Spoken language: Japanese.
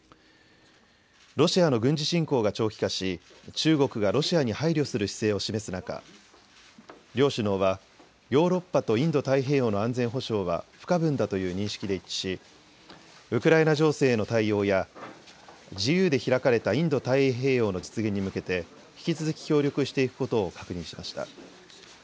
ロシアの軍事侵攻が長期化し中国がロシアに配慮する姿勢を示す中、両首脳はヨーロッパとインド太平洋の安全保障は不可分だという認識で一致し、ウクライナ情勢への対応や自由で開かれたインド太平洋の実現に向けて引き続き協力していくことを確認しました。